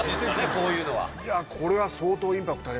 こういうのは。